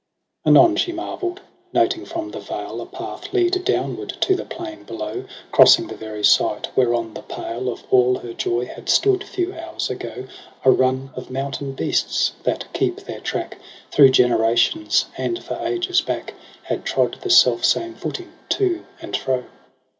Anon she marvel'd noting from the vale A path lead downward to the plain below. Crossing the very site, whereon the pale Of all her joy had stood few hours ago j A run of mountain beasts, that keep their track Through generations, and for ages back Had trod the self same footing to and fro.